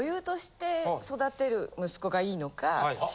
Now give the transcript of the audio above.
息子がいいのか。